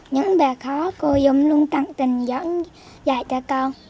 những bài khó cô dung luôn tặng tình dẫn dạy cho con